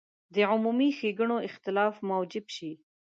د عمومي ښېګڼو اختلاف موجب شي.